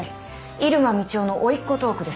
入間みちおのおいっ子トークです。